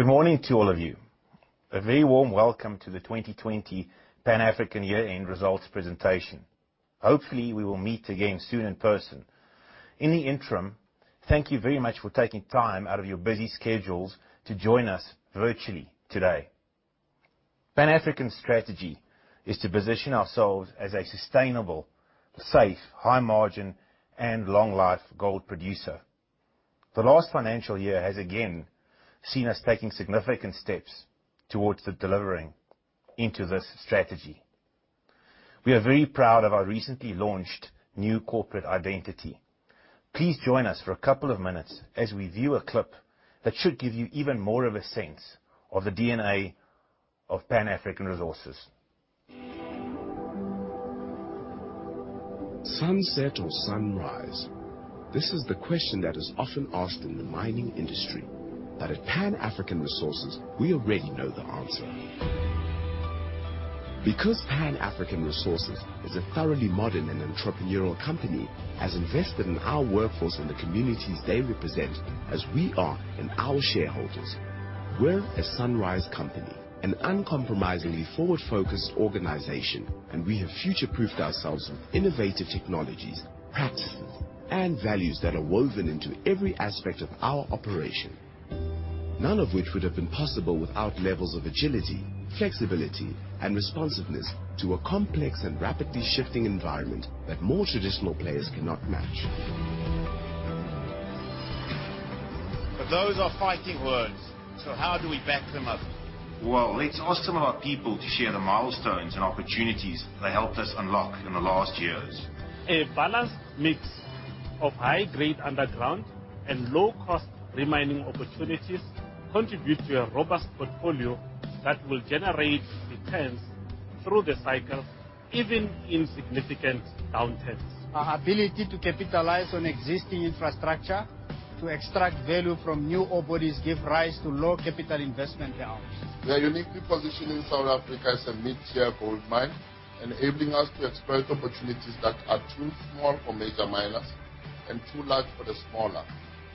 Good morning to all of you. A very warm welcome to the 2020 Pan African year-end results presentation. Hopefully, we will meet again soon in person. In the interim, thank you very much for taking time out of your busy schedules to join us virtually today. Pan African strategy is to position ourselves as a sustainable, safe, high margin, and long life gold producer. The last financial year has again seen us taking significant steps towards the delivering into this strategy. We are very proud of our recently launched new corporate identity. Please join us for a couple of minutes as we view a clip that should give you even more of a sense of the DNA of Pan African Resources. Sunset or sunrise? This is the question that is often asked in the mining industry. At Pan African Resources, we already know the answer. Pan African Resources is a thoroughly modern and entrepreneurial company that has invested in our workforce and the communities they represent as we are in our shareholders. We're a sunrise company, an uncompromisingly forward-focused organization, and we have future-proofed ourselves with innovative technologies, practices, and values that are woven into every aspect of our operation. None of which would have been possible without levels of agility, flexibility, and responsiveness to a complex and rapidly shifting environment that more traditional players cannot match. Those are fighting words. How do we back them up? Let's ask some of our people to share the milestones and opportunities they helped us unlock in the last years. A balanced mix of high-grade underground and low-cost re-mining opportunities contribute to a robust portfolio that will generate returns through the cycle, even in significant downturns. Our ability to capitalize on existing infrastructure, to extract value from new ore bodies give rise to low capital investment layouts. We are uniquely positioned in South Africa as a mid-tier gold mine, enabling us to exploit opportunities that are too small for major miners and too large for the smaller,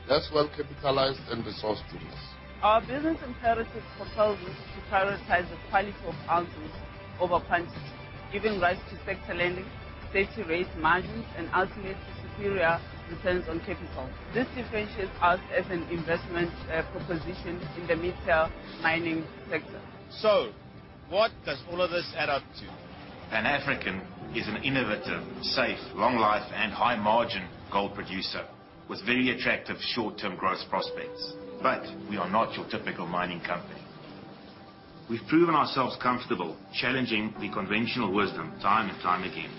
less well-capitalized and resourced miners. Our business imperatives compelled us to prioritize the quality of ounces over tons, giving rise to sector-leading steady rate margins and ultimately superior returns on capital. This differentiates us as an investment proposition in the mid-tier mining sector. What does all of this add up to? Pan African is an innovative, safe, long life, and high margin gold producer with very attractive short-term growth prospects. We are not your typical mining company. We've proven ourselves comfortable challenging the conventional wisdom time and time again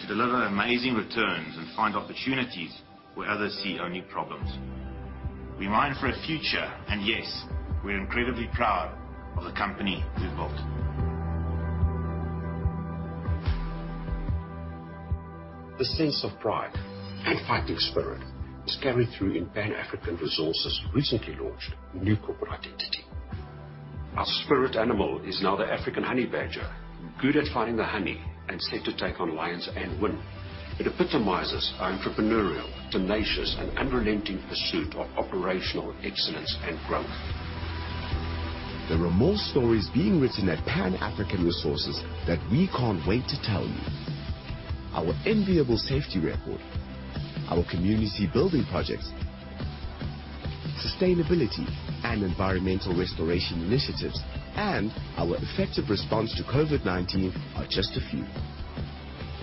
to deliver amazing returns and find opportunities where others see only problems. We mine for a future, and yes, we're incredibly proud of the company we've built. This sense of pride and fighting spirit is carried through in Pan African Resources' recently launched new corporate identity. Our spirit animal is now the African honey badger, good at finding the honey and set to take on lions and win. It epitomizes our entrepreneurial, tenacious, and unrelenting pursuit of operational excellence and growth. There are more stories being written at Pan African Resources that we can't wait to tell you. Our enviable safety record, our community building projects, sustainability and environmental restoration initiatives, and our effective response to COVID-19 are just a few.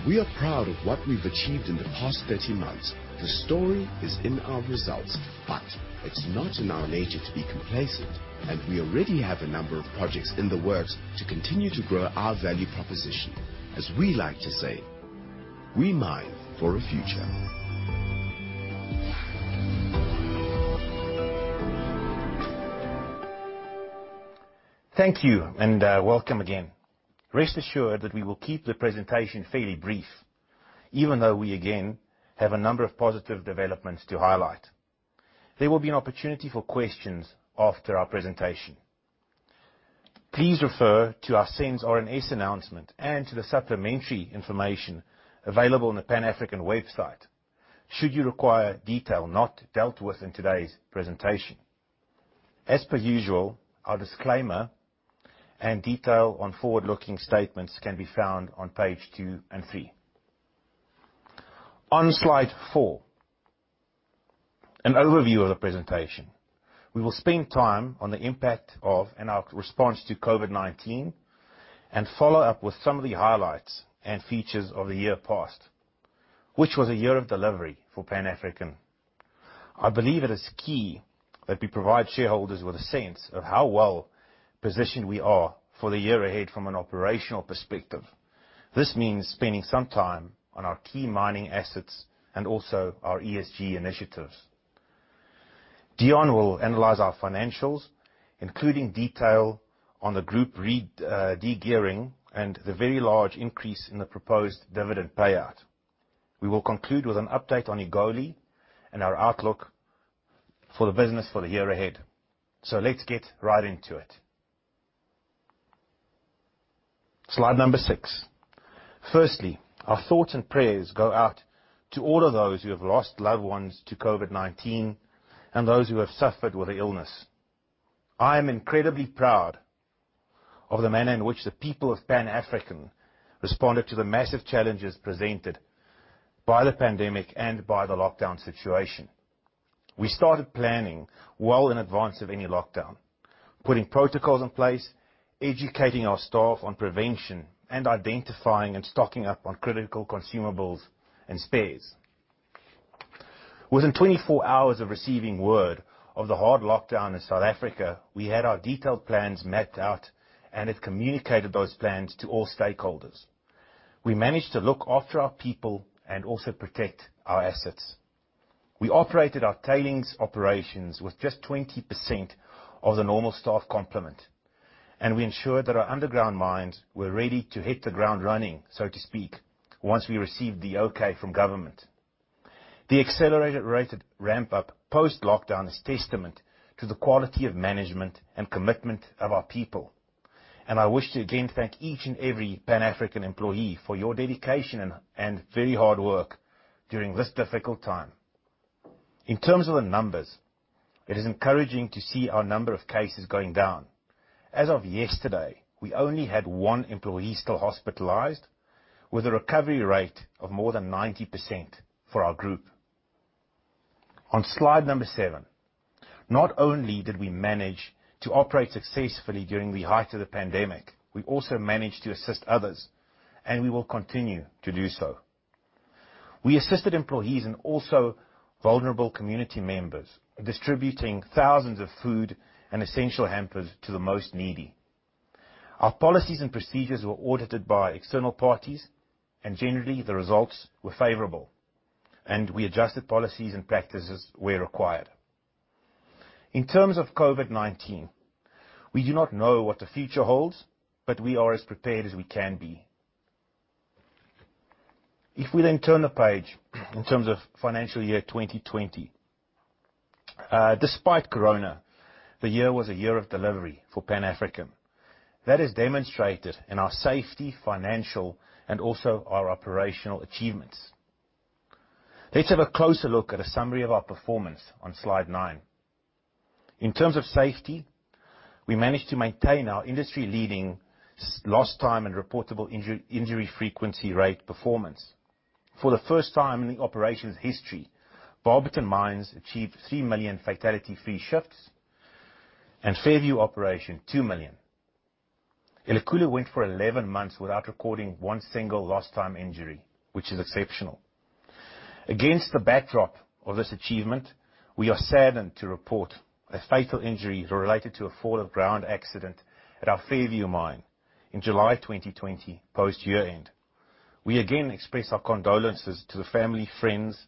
We are proud of what we've achieved in the past 30 months. The story is in our results, but it's not in our nature to be complacent, and we already have a number of projects in the works to continue to grow our value proposition. As we like to say, we mine for a future. Thank you, welcome again. Rest assured that we will keep the presentation fairly brief, even though we again have a number of positive developments to highlight. There will be an opportunity for questions after our presentation. Please refer to our SENS or a SENS announcement and to the supplementary information available on the Pan African website should you require detail not dealt with in today's presentation. As per usual, our disclaimer and detail on forward-looking statements can be found on page two and three. On slide four, an overview of the presentation. We will spend time on the impact of and our response to COVID-19 and follow up with some of the highlights and features of the year past, which was a year of delivery for Pan African. I believe it is key that we provide shareholders with a sense of how well-positioned we are for the year ahead from an operational perspective. This means spending some time on our key mining assets and also our ESG initiatives. Deon will analyze our financials, including detail on the group de-gearing and the very large increase in the proposed dividend payout. We will conclude with an update on Egoli and our outlook for the business for the year ahead. Let's get right into it. Slide number six. Firstly, our thoughts and prayers go out to all of those who have lost loved ones to COVID-19, and those who have suffered with the illness. I am incredibly proud of the manner in which the people of Pan African responded to the massive challenges presented by the pandemic and by the lockdown situation. We started planning well in advance of any lockdown, putting protocols in place, educating our staff on prevention, and identifying and stocking up on critical consumables and spares. Within 24 hours of receiving word of the hard lockdown in South Africa, we had our detailed plans mapped out and had communicated those plans to all stakeholders. We managed to look after our people and also protect our assets. We operated our tailings operations with just 20% of the normal staff complement, and we ensured that our underground mines were ready to hit the ground running, so to speak, once we received the okay from government. The accelerated ramp-up post-lockdown is testament to the quality of management and commitment of our people. I wish to again thank each and every Pan African employee for your dedication and very hard work during this difficult time. In terms of the numbers, it is encouraging to see our number of cases going down. As of yesterday, we only had one employee still hospitalized, with a recovery rate of more than 90% for our group. On slide number seven. Not only did we manage to operate successfully during the height of the pandemic, we also managed to assist others, and we will continue to do so. We assisted employees and also vulnerable community members, distributing thousands of food and essential hampers to the most needy. Our policies and procedures were audited by external parties, and generally, the results were favorable, and we adjusted policies and practices where required. In terms of COVID-19, we do not know what the future holds, but we are as prepared as we can be. If we then turn the page in terms of financial year 2020. Despite corona, the year was a year of delivery for Pan African. That is demonstrated in our safety, financial, and also our operational achievements. Let's have a closer look at a summary of our performance on slide nine. In terms of safety, we managed to maintain our industry-leading lost time and Reportable Injury Frequency Rate performance. For the first time in the operation's history, Barberton Mines achieved 3 million fatality-free shifts, and Fairview Operation, 2 million. Elikhulu went for 11 months without recording one single lost time injury, which is exceptional. Against the backdrop of this achievement, we are saddened to report a fatal injury related to a fall of ground accident at our Fairview Mine in July 2020, post-year-end. We again express our condolences to the family, friends,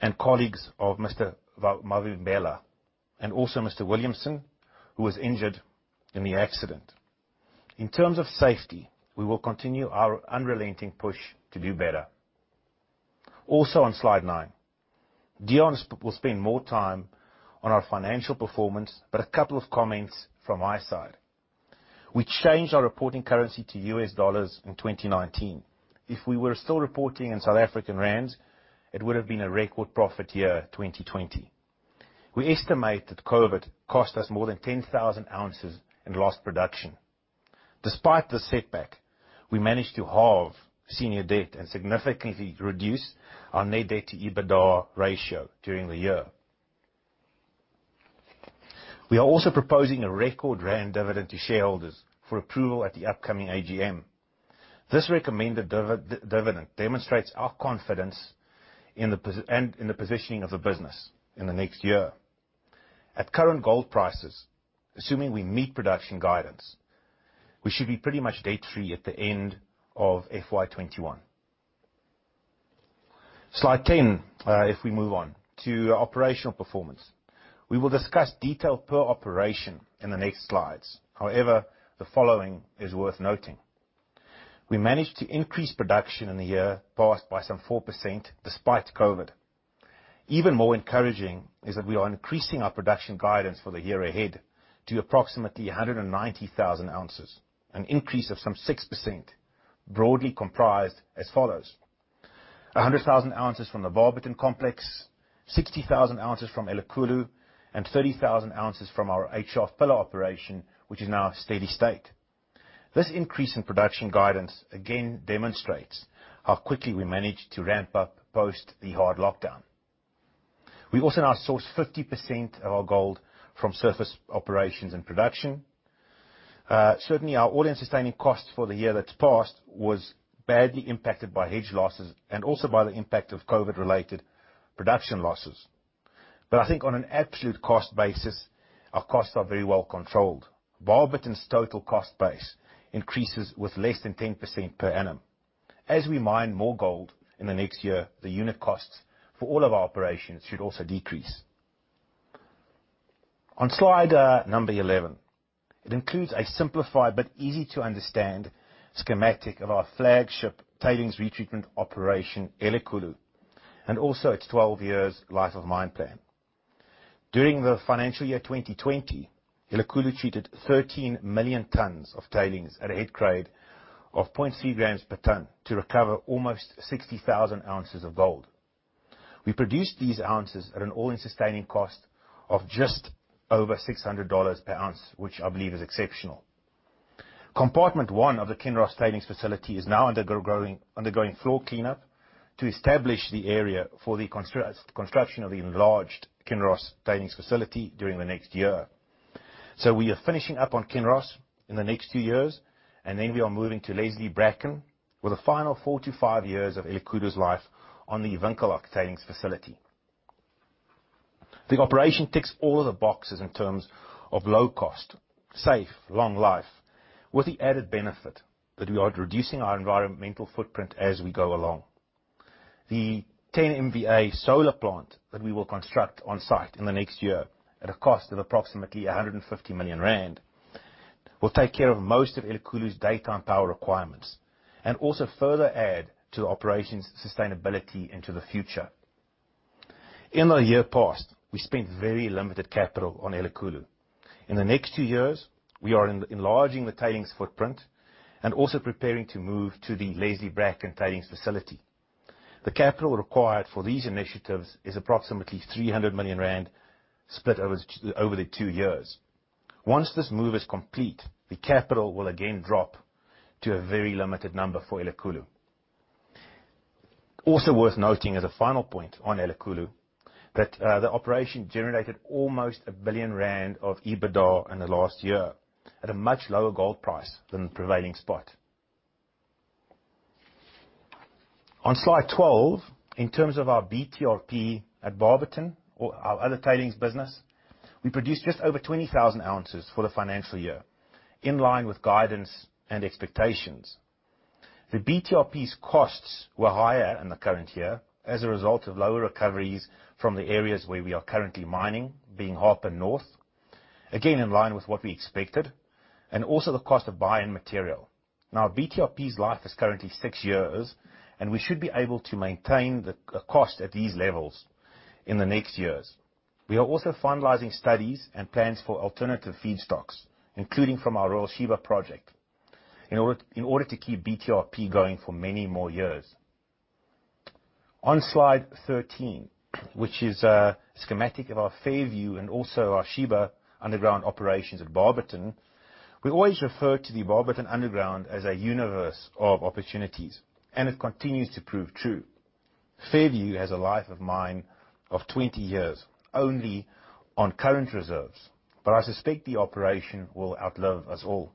and colleagues of Mr. Mavimbela, and also Mr. Williamson, who was injured in the accident. In terms of safety, we will continue our unrelenting push to do better. Also on slide nine, Deon will spend more time on our financial performance, but a couple of comments from my side. We changed our reporting currency to U.S. dollars in 2019. If we were still reporting in South African rands, it would have been a record profit year 2020. We estimate that COVID cost us more than 10,000 ounces in lost production. Despite this setback, we managed to halve senior debt and significantly reduce our net debt to EBITDA ratio during the year. We are also proposing a record ZAR dividend to shareholders for approval at the upcoming AGM. This recommended dividend demonstrates our confidence and in the positioning of the business in the next year. At current gold prices, assuming we meet production guidance, we should be pretty much debt-free at the end of FY 2021. Slide 10, if we move on to operational performance. We will discuss detail per operation in the next slides. However, the following is worth noting. We managed to increase production in the year past by some 4% despite COVID. Even more encouraging is that we are increasing our production guidance for the year ahead to approximately 190,000 ounces, an increase of some 6%, broadly comprised as follows: 100,000 oz from the Barberton Complex, 60,000 oz from Elikhulu, and 30,000 oz from our 8 Shaft pillar operation, which is now steady state. This increase in production guidance again demonstrates how quickly we managed to ramp up post the hard lockdown. We also now source 50% of our gold from surface operations and production. Certainly, our all-in sustaining cost for the year that's passed was badly impacted by hedge losses and also by the impact of COVID-related production losses. I think on an absolute cost basis, our costs are very well controlled. Barberton's total cost base increases with less than 10% per annum. As we mine more gold in the next year, the unit costs for all of our operations should also decrease. On slide number 11, it includes a simplified but easy-to-understand schematic of our flagship tailings retreatment operation, Elikhulu, and also its 12 years life of mine plan. During the financial year 2020, Elikhulu treated 13 million tons of tailings at a head grade of 0.3 g per ton to recover almost 60,000 oz of gold. We produced these ounces at an all-in sustaining cost of just over $600/oz, which I believe is exceptional. Compartment 1 of the Kinross Tailings Facility is now undergoing floor cleanup to establish the area for the construction of the enlarged Kinross Tailings Facility during the next year. We are finishing up on Kinross in the next two years, and then we are moving to Leslie/Bracken, with a final four to five years of Elikhulu's life on the Winkelhaak Tailings Facility. The operation ticks all the boxes in terms of low cost, safe, long life, with the added benefit that we are reducing our environmental footprint as we go along. The 10 MVA solar plant that we will construct on-site in the next year at a cost of approximately 150 million rand, will take care of most of Elikhulu's daytime power requirements, and also further add to the operation's sustainability into the future. In the year past, we spent very limited capital on Elikhulu. In the next two years, we are enlarging the tailings footprint and also preparing to move to the Leslie/Bracken Tailings Facility. The capital required for these initiatives is approximately 300 million rand, split over the two years. Once this move is complete, the capital will again drop to a very limited number for Elikhulu. Also worth noting as a final point on Elikhulu, that the operation generated almost 1 billion rand of EBITDA in the last year at a much lower gold price than the prevailing spot. On slide 12, in terms of our BTRP at Barberton, or our other tailings business, we produced just over 20,000 oz for the financial year, in line with guidance and expectations. The BTRP's costs were higher in the current year as a result of lower recoveries from the areas where we are currently mining, being Harper North, again, in line with what we expected, and also the cost of buying material. BTRP's life is currently six years, and we should be able to maintain the cost at these levels in the next years. We are also finalizing studies and plans for alternative feedstocks, including from our Royal Sheba project, in order to keep BTRP going for many more years. On slide 13, which is a schematic of our Fairview and also our Sheba underground operations at Barberton. We always refer to the Barberton underground as a universe of opportunities, and it continues to prove true. Fairview has a life of mine of 20 years only on current reserves, but I suspect the operation will outlive us all.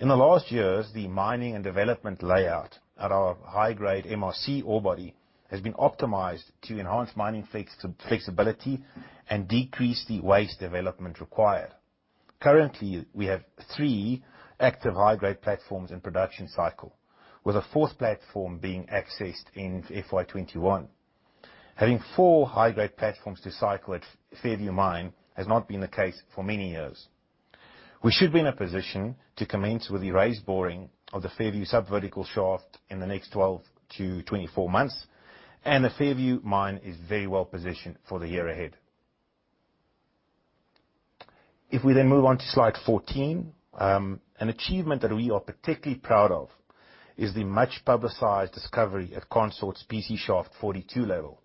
In the last years, the mining and development layout at our high-grade MRC ore body has been optimized to enhance mining flexibility and decrease the waste development required. Currently, we have three active high-grade platforms in production cycle, with a fourth platform being accessed in FY 2021. Having four high-grade platforms to cycle at Fairview Mine has not been the case for many years. We should be in a position to commence with the raise boring of the Fairview subvertical shaft in the next 12-24 months. The Fairview mine is very well-positioned for the year ahead. We then move on to slide 14, an achievement that we are particularly proud of is the much-publicized discovery at Consort's PC Shaft 42 level.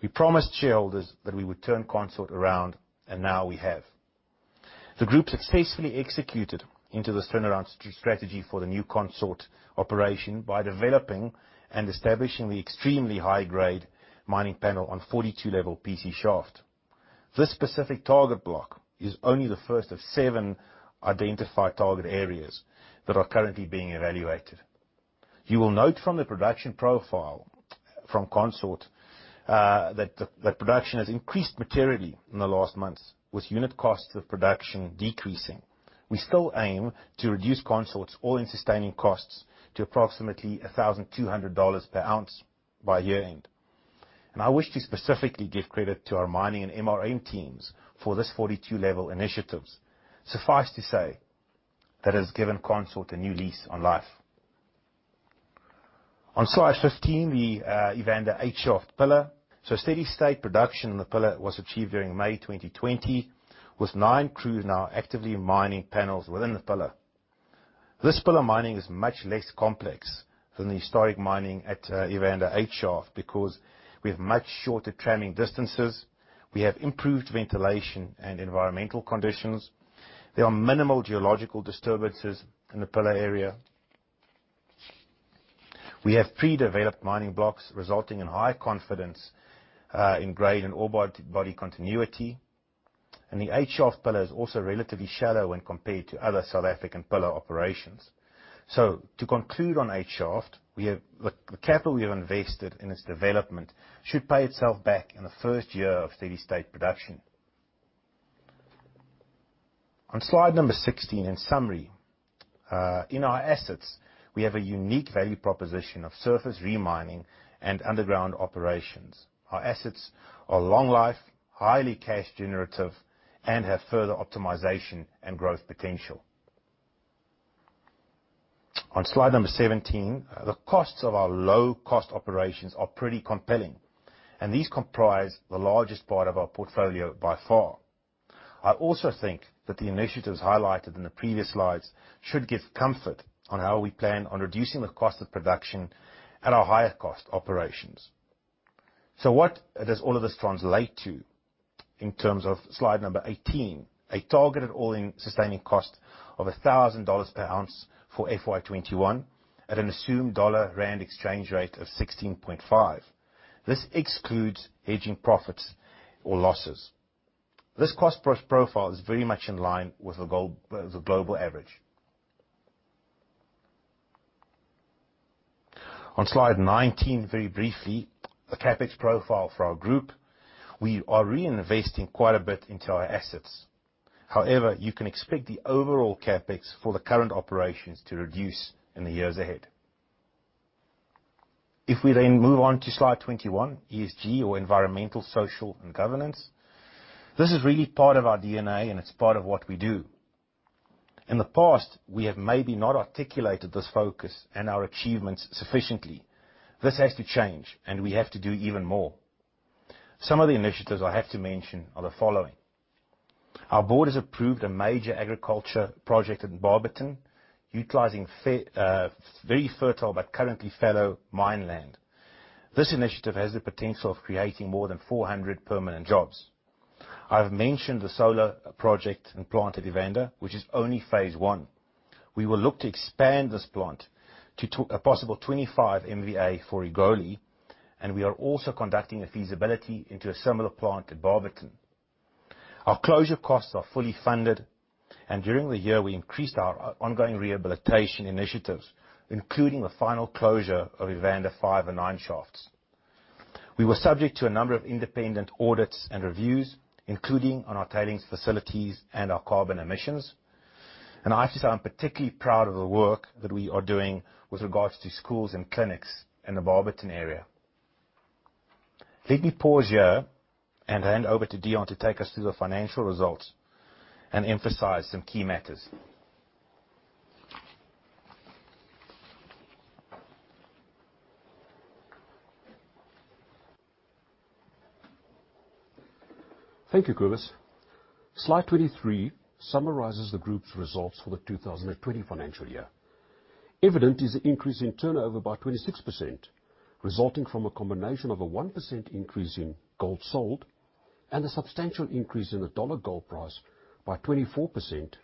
We promised shareholders that we would turn Consort around. Now we have. The group successfully executed into this turnaround strategy for the new Consort operation by developing and establishing the extremely high-grade mining panel on 42 level PC Shaft. This specific target block is only the first of seven identified target areas that are currently being evaluated. You will note from the production profile from Consort, that production has increased materially in the last months with unit costs of production decreasing. We still aim to reduce Consort's all-in sustaining costs to approximately $1,200/oz by year-end. I wish to specifically give credit to our mining and MRM teams for this 42 level initiatives. Suffice to say that it has given Consort a new lease on life. On slide 15, the Evander 8 Shaft pillar. Steady state production in the pillar was achieved during May 2020, with nine crews now actively mining panels within the pillar. This pillar mining is much less complex than the historic mining at Evander 8 Shaft because we have much shorter tramming distances, we have improved ventilation and environmental conditions. There are minimal geological disturbances in the pillar area. We have pre-developed mining blocks, resulting in high confidence in grade and ore body continuity. The 8 Shaft pillar is also relatively shallow when compared to other South African pillar operations. To conclude on 8 Shaft, the capital we have invested in its development should pay itself back in the first year of steady state production. On slide number 16, in summary, in our assets, we have a unique value proposition of surface re-mining and underground operations. Our assets are long life, highly cash generative, and have further optimization and growth potential. On slide number 17, the costs of our low-cost operations are pretty compelling, and these comprise the largest part of our portfolio by far. I also think that the initiatives highlighted in the previous slides should give comfort on how we plan on reducing the cost of production at our higher-cost operations. What does all of this translate to in terms of slide number 18? A targeted all-in sustaining cost of $1,000/oz for FY 2021 at an assumed dollar-rand exchange rate of 16.5. This excludes hedging profits or losses. This cost profile is very much in line with the global average. On slide 19, very briefly, the CapEx profile for our group. We are reinvesting quite a bit into our assets. However, you can expect the overall CapEx for the current operations to reduce in the years ahead. Move on to slide 21, ESG or environmental, social, and governance. This is really part of our DNA and it's part of what we do. In the past, we have maybe not articulated this focus and our achievements sufficiently. This has to change, and we have to do even more. Some of the initiatives I have to mention are the following. Our board has approved a major agriculture project in Barberton, utilizing very fertile but currently fallow mine land. This initiative has the potential of creating more than 400 permanent jobs. I've mentioned the solar project and plant at Evander, which is only phase 1. We will look to expand this plant to a possible 25 MVA for Egoli, and we are also conducting a feasibility into a similar plant at Barberton. Our closure costs are fully funded, and during the year, we increased our ongoing rehabilitation initiatives, including the final closure of Evander 5 and 9 shafts. We were subject to a number of independent audits and reviews, including on our tailings facilities and our carbon emissions. I have to say, I'm particularly proud of the work that we are doing with regards to schools and clinics in the Barberton area. Let me pause here and hand over to Deon to take us through the financial results and emphasize some key matters. Thank you, Cobus. Slide 23 summarizes the group's results for the 2020 financial year. Evident is the increase in turnover by 26%, resulting from a combination of a 1% increase in gold sold and a substantial increase in the dollar gold price by 24%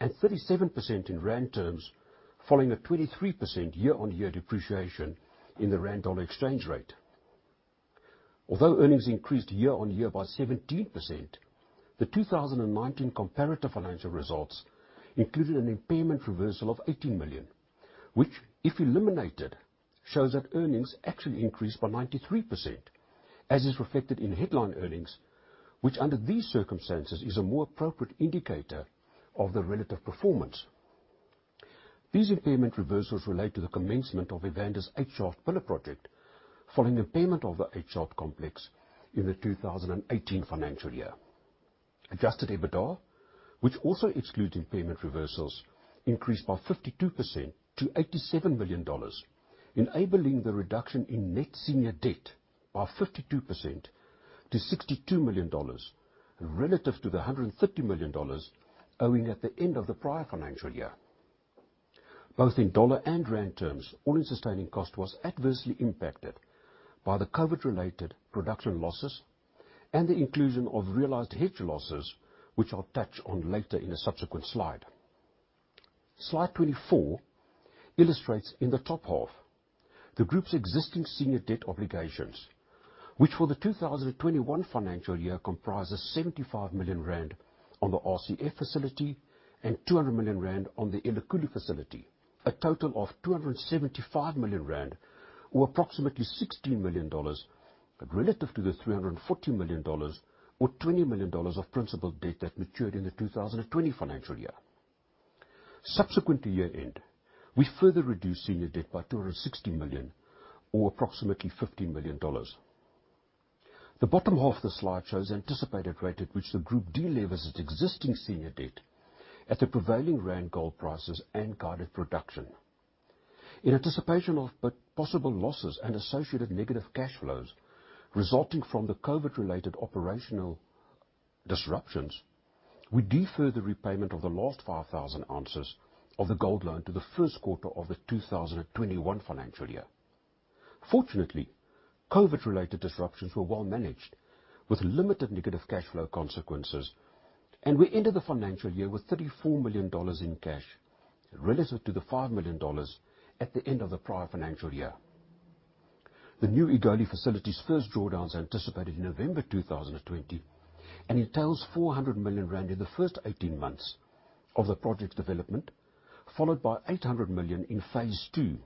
and 37% in rand terms, following a 23% year-on-year depreciation in the rand-dollar exchange rate. Although earnings increased year-on-year by 17%, the 2019 comparative financial results included an impairment reversal of $18 million, which, if eliminated, shows that earnings actually increased by 93%, as is reflected in headline earnings, which under these circumstances is a more appropriate indicator of the relative performance. These impairment reversals relate to the commencement of Evander's 8 Shaft pillar project, following impairment of the 8 Shaft complex in the 2018 financial year. Adjusted EBITDA, which also excludes impairment reversals, increased by 52% to $87 million, enabling the reduction in net senior debt by 52% to $62 million relative to the $150 million owing at the end of the prior financial year. Both in dollar and rand terms, all-in sustaining cost was adversely impacted by the COVID-related production losses and the inclusion of realized hedge losses, which I'll touch on later in a subsequent slide. Slide 24 illustrates in the top half the group's existing senior debt obligations, which for the 2021 financial year comprises 75 million rand on the RCF facility and 200 million rand on the Elikhulu facility, a total of 275 million rand, or approximately $16 million, relative to the $340 million or $20 million of principal debt that matured in the 2020 financial year. Subsequent to year-end, we further reduced senior debt by $260 million or approximately $15 million. The bottom half of the slide shows the anticipated rate at which the group de-levers its existing senior debt at the prevailing rand gold prices and guided production. In anticipation of possible losses and associated negative cash flows resulting from the COVID-related operational disruptions, we deferred the repayment of the last 5,000 oz of the gold loan to the first quarter of the 2021 financial year. Fortunately, COVID-related disruptions were well managed with limited negative cash flow consequences, and we ended the financial year with $34 million in cash relative to the $5 million at the end of the prior financial year. The new Egoli facility's first drawdowns are anticipated in November 2020 and entails 400 million rand in the first 18 months of the project development, followed by 800 million in phase two,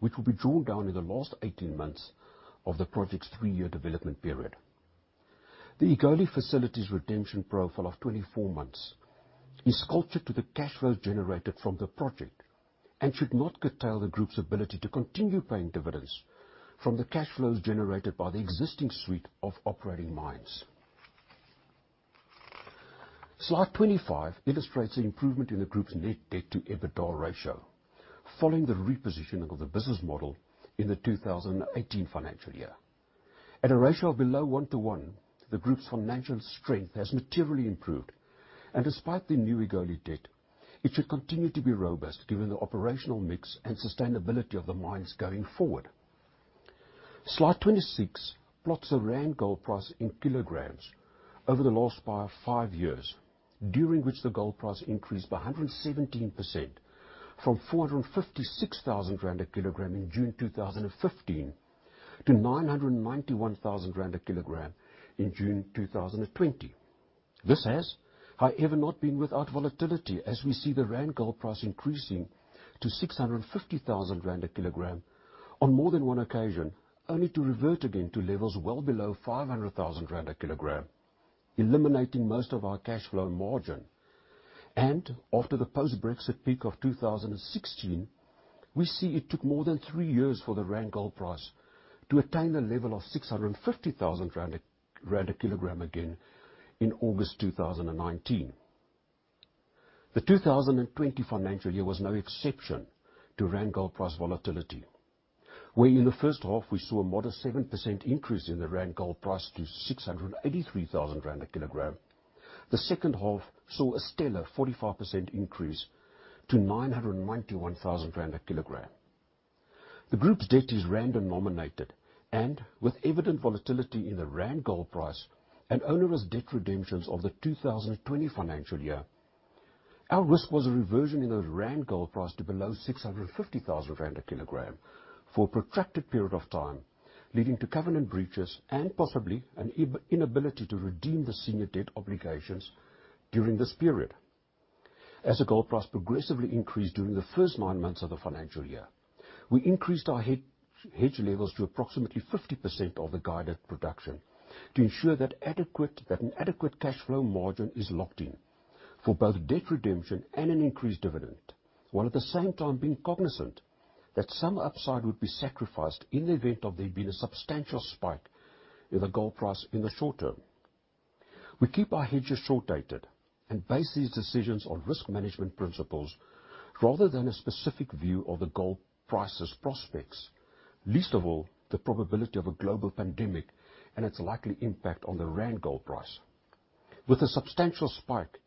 which will be drawn down in the last 18 months of the project's three-year development period. The Egoli facility's redemption profile of 24 months is sculptured to the cash flows generated from the project and should not curtail the group's ability to continue paying dividends from the cash flows generated by the existing suite of operating mines. Slide 25 illustrates the improvement in the group's net debt to EBITDA ratio following the repositioning of the business model in the 2018 financial year. At a ratio of below one to one, the group's financial strength has materially improved, and despite the new Egoli debt, it should continue to be robust given the operational mix and sustainability of the mines going forward. Slide 26 plots the ZAR gold price in kilograms over the last five years, during which the gold price increased by 117%, from 456,000 rand a kg in June 2015 to 991,000 rand a kg in June 2020. This has, however, not been without volatility as we see the rand gold price increasing to 650,000 rand a kilogram on more than one occasion, only to revert again to levels well below 500,000 rand a kg, eliminating most of our cash flow margin. After the post-Brexit peak of 2016, we see it took more than three years for the rand gold price to attain a level of 650,000 rand a kg again in August 2019. The 2020 financial year was no exception to rand gold price volatility, where in the first half we saw a modest 7% increase in the rand gold price to 683,000 rand a kg. The second half saw a stellar 45% increase to 991,000 rand a kg. The group's debt is ZAR-denominated and with evident volatility in the ZAR gold price and onerous debt redemptions of the 2020 financial year, our risk was a reversion in the ZAR gold price to below 650,000 rand a kg for a protracted period of time, leading to covenant breaches and possibly an inability to redeem the senior debt obligations during this period. As the gold price progressively increased during the first nine months of the financial year, we increased our hedge levels to approximately 50% of the guided production to ensure that an adequate cash flow margin is locked in for both debt redemption and an increased dividend, while at the same time being cognizant that some upside would be sacrificed in the event of there being a substantial spike in the gold price in the short term. We keep our hedges short-dated and base these decisions on risk management principles rather than a specific view of the gold price's prospects, least of all, the probability of a global pandemic and its likely impact on the rand gold price. With a substantial spike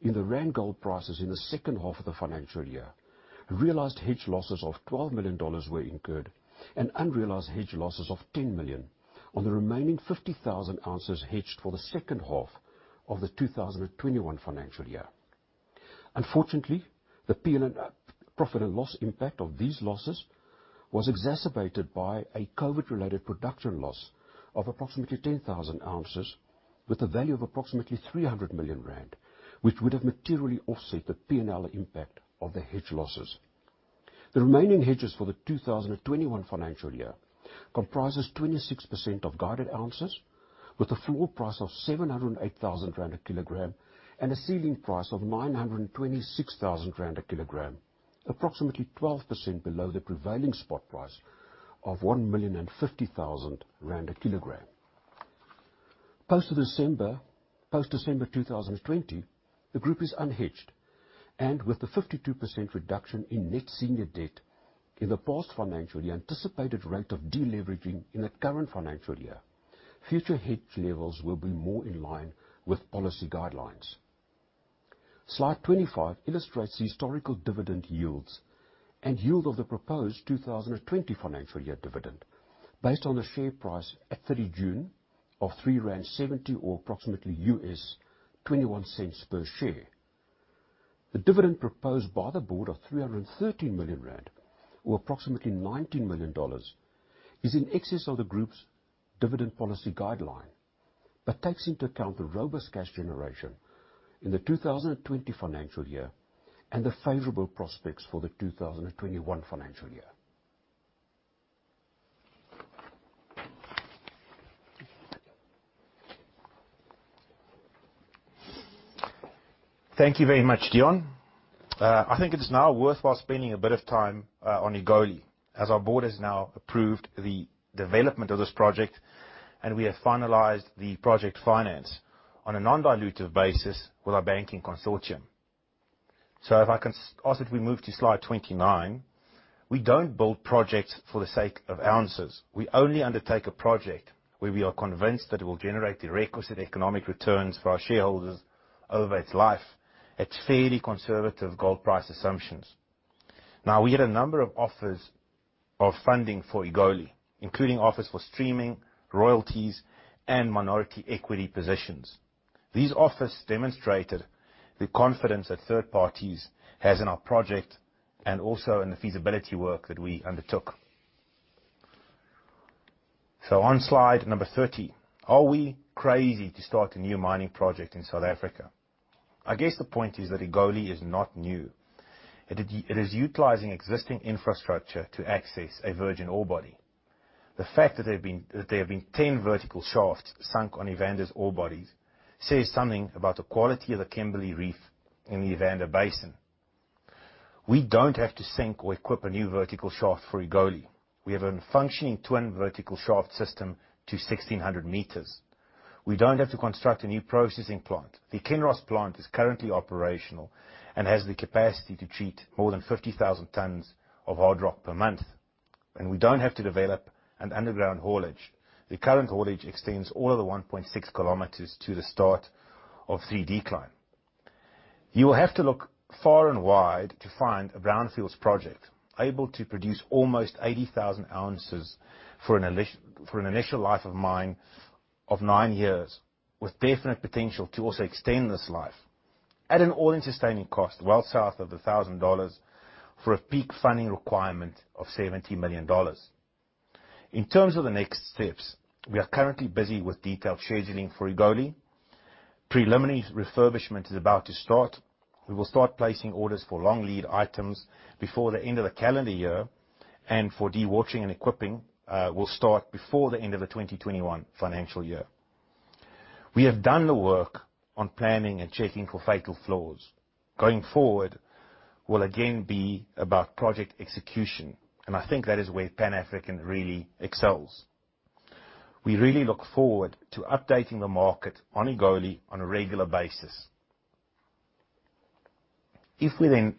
in the rand gold prices in the second half of the financial year, realized hedge losses of $12 million were incurred, and unrealized hedge losses of $10 million on the remaining 50,000 oz hedged for the second half of the 2021 financial year. Unfortunately, the profit and loss impact of these losses was exacerbated by a COVID-related production loss of approximately 10,000 oz with a value of approximately 300 million rand, which would have materially offset the P&L impact of the hedge losses. The remaining hedges for the 2021 financial year comprises 26% of guided ounces, with a floor price of 708,000 rand a kg and a ceiling price of 926,000 rand a kg, approximately 12% below the prevailing spot price of 1,050,000 rand a kg. Post December 2020, the group is unhedged, and with the 52% reduction in net senior debt in the past financial year, anticipated rate of deleveraging in the current financial year, future hedge levels will be more in line with policy guidelines. Slide 25 illustrates the historical dividend yields and yield of the proposed 2020 financial year dividend, based on a share price at June 3 of 3.70 or approximately $0.21 per share. The dividend proposed by the board of 313 million rand, or approximately $19 million, is in excess of the group's dividend policy guideline, but takes into account the robust cash generation in the 2020 financial year and the favorable prospects for the 2021 financial year. Thank you very much, Deon. I think it is now worthwhile spending a bit of time on Egoli, as our board has now approved the development of this project, and we have finalized the project finance on a non-dilutive basis with our banking consortium. If I can ask that we move to slide 29. We don't build projects for the sake of ounces. We only undertake a project where we are convinced that it will generate the requisite economic returns for our shareholders over its life at fairly conservative gold price assumptions. We had a number of offers of funding for Egoli, including offers for streaming, royalties, and minority equity positions. These offers demonstrated the confidence that third parties has in our project and also in the feasibility work that we undertook. On slide number 30, are we crazy to start a new mining project in South Africa? I guess the point is that Egoli is not new. It is utilizing existing infrastructure to access a virgin ore body. The fact that there have been 10 vertical shafts sunk on Evander's ore bodies says something about the quality of the Kimberley Reef in the Evander basin. We don't have to sink or equip a new vertical shaft for Egoli. We have a functioning twin vertical shaft system to 1,600 m. We don't have to construct a new processing plant. The Kinross plant is currently operational and has the capacity to treat more than 50,000 tons of hard rock per month. We don't have to develop an underground haulage. The current haulage extends all of the 1.6 km to the start of 3 Decline. You will have to look far and wide to find a brownfields project able to produce almost 80,000 oz for an initial life of mine of nine years, with definite potential to also extend this life, at an all-in sustaining cost well south of $1,000 for a peak funding requirement of $70 million. In terms of the next steps, we are currently busy with detailed scheduling for Egoli. Preliminary refurbishment is about to start. We will start placing orders for long lead items before the end of the calendar year, for dewatering and equipping will start before the end of the 2021 financial year. We have done the work on planning and checking for fatal flaws. Going forward will again be about project execution, and I think that is where Pan African really excels. We really look forward to updating the market on Egoli on a regular basis. If we move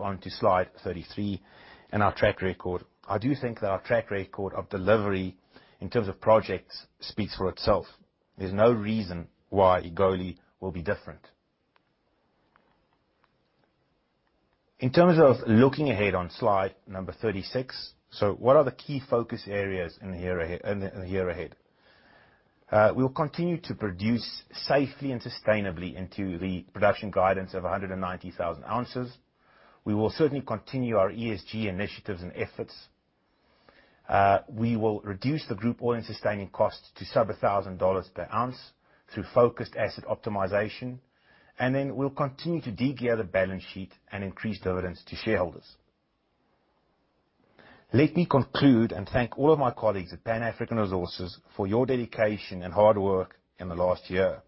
on to slide 33 and our track record, I do think that our track record of delivery in terms of projects speaks for itself. There's no reason why Egoli will be different. In terms of looking ahead on slide number 36, what are the key focus areas in the year ahead? We will continue to produce safely and sustainably into the production guidance of 190,000 oz. We will certainly continue our ESG initiatives and efforts. We will reduce the group all-in sustaining cost to sub $1,000/oz through focused asset optimization. We'll continue to de-gear the balance sheet and increase dividends to shareholders. Let me conclude and thank all of my colleagues at Pan African Resources for your dedication and hard work in the last year.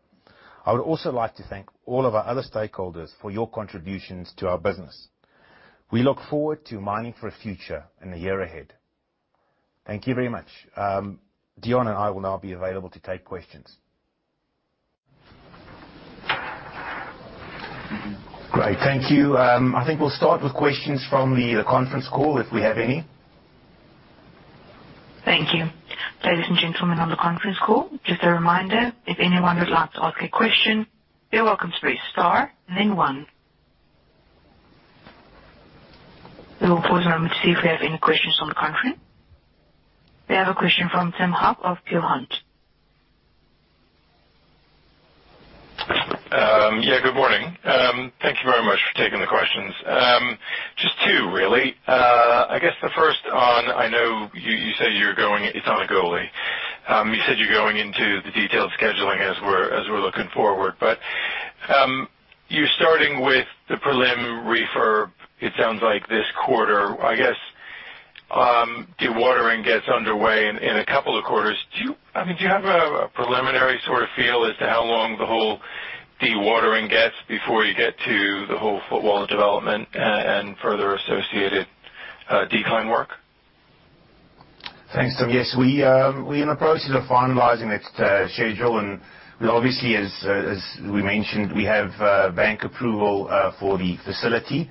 I would also like to thank all of our other stakeholders for your contributions to our business. We look forward to mining for a future in the year ahead. Thank you very much. Deon and I will now be available to take questions. Great. Thank you. I think we'll start with questions from the conference call, if we have any. Thank you. Ladies and gentlemen on the conference call, just a reminder, if anyone would like to ask a question, you're welcome to press star, and then one. We will pause a moment to see if we have any questions on the conference. We have a question from Tim Huff of Peel Hunt. Yeah, good morning. Thank you very much for taking the questions. Just two, really. I guess the first on, I know you say it's on Egoli. You said you're going into the detailed scheduling as we're looking forward, but you're starting with the prelim refurb, it sounds like, this quarter. I guess dewatering gets underway in a couple of quarters. Do you have a preliminary sort of feel as to how long the whole dewatering gets before you get to the whole footwall development and further associated decline work? Thanks, Tim. We're in the process of finalizing that schedule, obviously, as we mentioned, we have bank approval for the facility,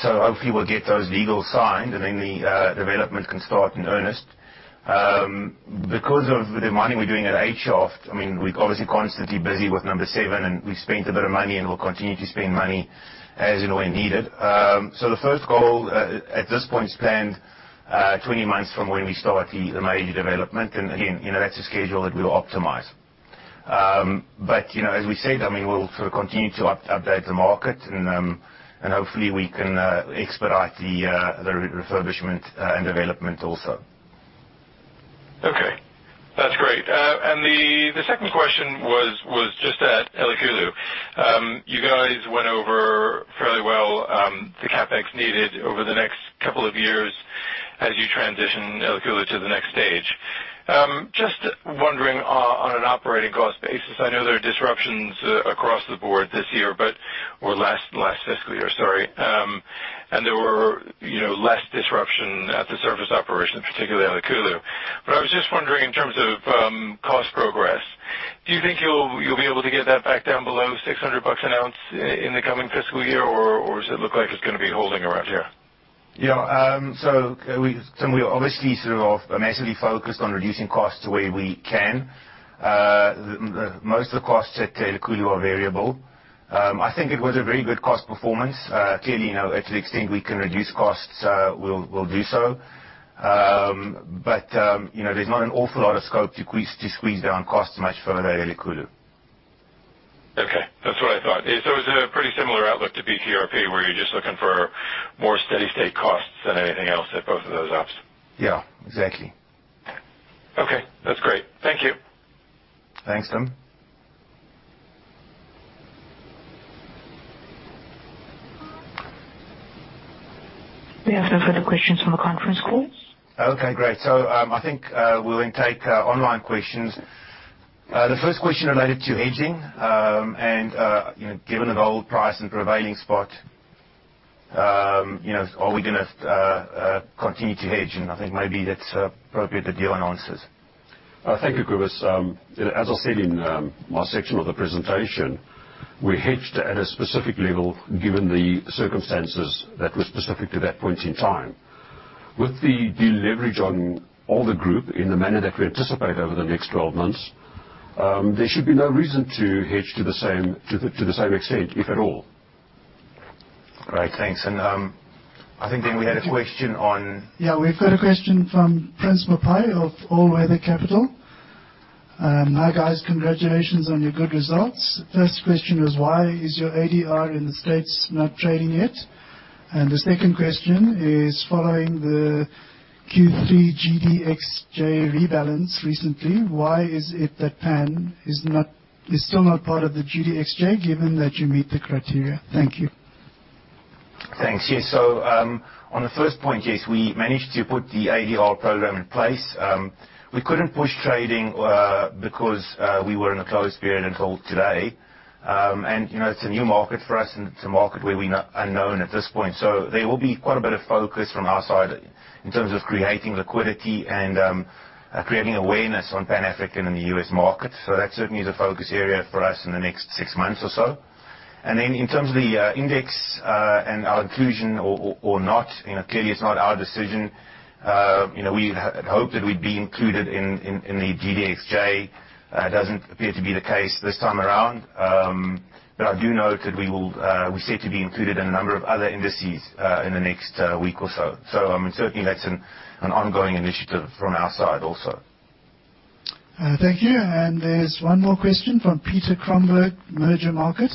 hopefully we'll get those legal signed and then the development can start in earnest. Because of the mining we're doing at 8 Shaft, we're obviously constantly busy with 7 Shaft, we've spent a bit of money and we'll continue to spend money as and when needed. The first goal at this point is planned 20 months from when we start the major development. Again, that's a schedule that we'll optimize. As we said, we'll continue to update the market, hopefully we can expedite the refurbishment and development also. Okay. That's great. The second question was just at Elikhulu. You guys went over fairly well the CapEx needed over the next couple of years as you transition Elikhulu to the next stage. Just wondering on an operating cost basis, I know there are disruptions across the board this year, or last fiscal year, sorry, and there were less disruption at the surface operations, particularly at Elikhulu. I was just wondering in terms of cost progress, do you think you'll be able to get that back down below $600 an oz in the coming fiscal year, or does it look like it's going to be holding around here? Tim, we are obviously sort of massively focused on reducing costs where we can. Most of the costs at Elikhulu are variable. I think it was a very good cost performance. Clearly, at the extent we can reduce costs, we'll do so. There's not an awful lot of scope to squeeze down costs much further at Elikhulu. Okay. That's what I thought. It's a pretty similar outlook to BTRP, where you're just looking for more steady state costs than anything else at both of those ops. Yeah, exactly. Okay. That's great. Thank you. Thanks, Tim. We have no further questions from the conference call. Okay, great. I think we'll then take online questions. The first question related to hedging and given the gold price and prevailing spot, are we gonna continue to hedge? I think maybe that's appropriate that Deon answers. Thank you, Cobus. As I said in my section of the presentation, we hedged at a specific level, given the circumstances that were specific to that point in time. With the deleverage on all the group in the manner that we anticipate over the next 12 months, there should be no reason to hedge to the same extent, if at all. Great, thanks. I think then we had a question. Yeah, we've got a question from Prince Maphosa of All Weather Capital. "Hi, guys. Congratulations on your good results. First question is, why is your ADR in the U.S. not trading yet? The second question is, following the Q3 GDXJ rebalance recently, why is it that Pan is still not part of the GDXJ given that you meet the criteria? Thank you." Thanks. Yes, on the first point, yes, we managed to put the ADR program in place. We couldn't push trading because we were in a closed period until today. It's a new market for us, and it's a market where we're unknown at this point. There will be quite a bit of focus from our side in terms of creating liquidity and creating awareness on Pan African in the U.S. market. That certainly is a focus area for us in the next six months or so. In terms of the index, and our inclusion or not, clearly it's not our decision. We had hoped that we'd be included in the GDXJ. It doesn't appear to be the case this time around. I do note that we're set to be included in a number of other indices, in the next week or so. Certainly that's an ongoing initiative from our side also. Thank you. There's one more question from Peter Cromberge, Mergermarket.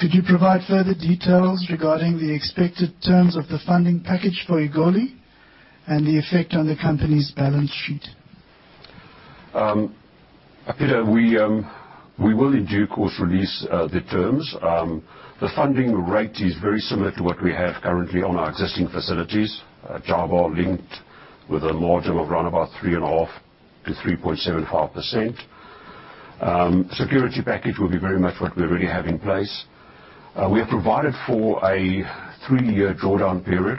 "Could you provide further details regarding the expected terms of the funding package for Egoli and the effect on the company's balance sheet?" Peter, we will in due course release the terms. The funding rate is very similar to what we have currently on our existing facilities, JIBAR linked with a margin of around about 3.5%-3.75%. Security package will be very much what we already have in place. We have provided for a three-year drawdown period,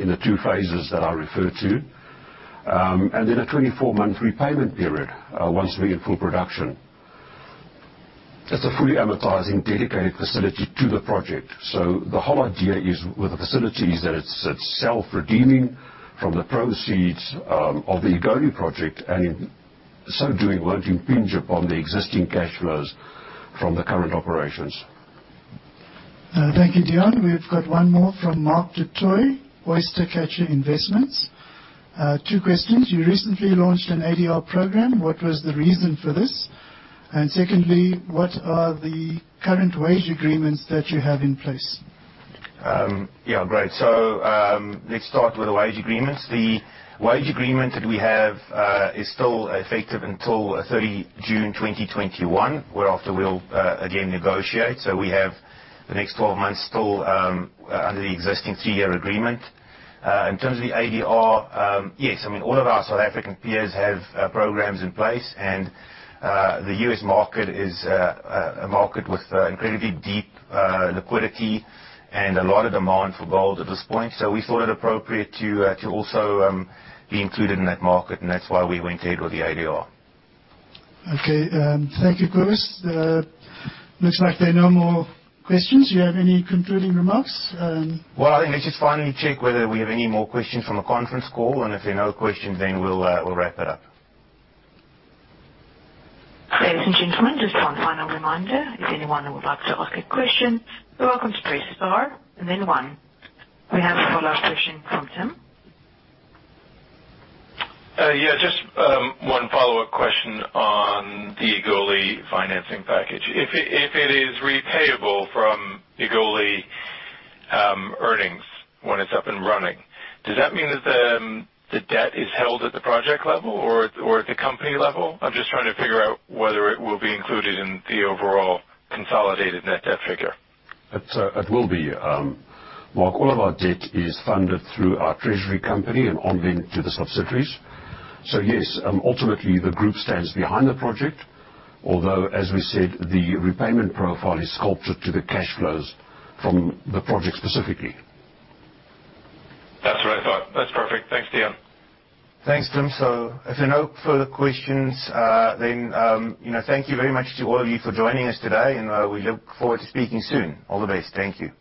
in the two phases that I referred to. Then a 24-month repayment period, once we're in full production. It's a fully amortizing dedicated facility to the project. The whole idea is with the facilities that it's self-redeeming from the proceeds of the Egoli project, and in so doing, won't impinge upon the existing cash flows from the current operations. Thank you, Deon. We've got one more from Mark du Toit, Oyster Catcher Investments. Two questions. "You recently launched an ADR program. What was the reason for this? Secondly, what are the current wage agreements that you have in place?" Let's start with the wage agreements. The wage agreement that we have is still effective until June 30, 2021, whereafter we'll again negotiate. We have the next 12 months still under the existing three-year agreement. In terms of the ADR, all of our South African peers have programs in place. The U.S. market is a market with incredibly deep liquidity and a lot of demand for gold at this point. We thought it appropriate to also be included in that market, and that's why we went ahead with the ADR. Okay. Thank you, Cobus. Looks like there are no more questions. Do you have any concluding remarks? Well, I think let's just finally check whether we have any more questions from the conference call, and if there are no questions, then we'll wrap it up. Ladies and gentlemen, just one final reminder. If anyone would like to ask a question, you're welcome to press star and then one. We have a follow-up question from Tim. Just one follow-up question on the Egoli financing package. If it is repayable from Egoli earnings when it is up and running, does that mean that the debt is held at the project level or at the company level? I am just trying to figure out whether it will be included in the overall consolidated net debt figure. It will be. Mark, all of our debt is funded through our treasury company and on then to the subsidiaries. Yes, ultimately the group stands behind the project, although as we said, the repayment profile is sculpted to the cash flows from the project specifically. That's what I thought. That's perfect. Thanks, Deon. Thanks, Tim. If there are no further questions, then thank you very much to all of you for joining us today, and we look forward to speaking soon. All the best. Thank you.